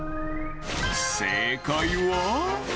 正解は。